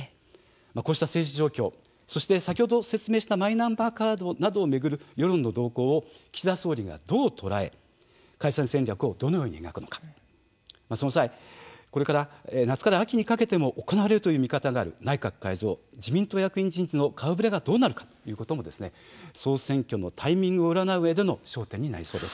こうした政治状況を先ほど説明したマイナンバーカードを巡る世論の動向を岸田総理がどう捉え解散戦略をどう描くのかその際、夏から秋にも行われるという見方がある内閣改造、役員人事の顔ぶれがどうなる過程のも総選挙のタイミングを占ううえでの焦点となりそうです。